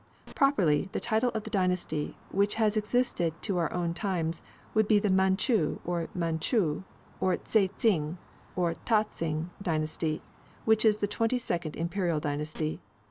Properly, the title of the dynasty, which has existed to our own times, would be the Manchu, Manchoo, or Tae tsing or Ta Tsing dynasty, which is the twenty second Imperial dynasty.